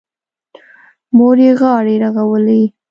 مور مې غاړې رغولې.